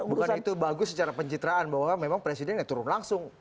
bukan itu bagus secara pencitraan bahwa memang presiden ya turun langsung